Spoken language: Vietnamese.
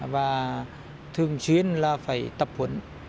và thường xuyên là phải tập huấn